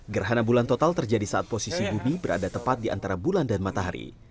gerhana bulan total terjadi saat posisi bumi berada tepat di antara bulan dan matahari